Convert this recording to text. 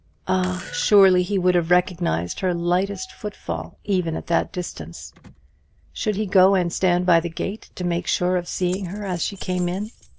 Ah, surely he would have recognized her lightest foot fall even at that distance. Should he go and stand by the gate, to make sure of seeing her as she came in?